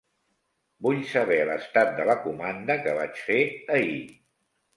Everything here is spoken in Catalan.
Vull saber l'estat de la comanda que vaig fer ahir.